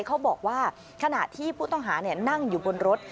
เขาบอกว่าขณะที่ผู้ต้องหานั่งอยู่บนรถ